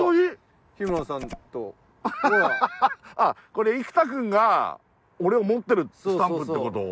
これ生田くんが俺を持ってるスタンプって事？